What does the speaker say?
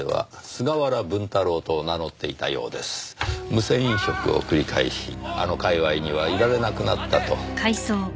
無銭飲食を繰り返しあの界隈にはいられなくなったと。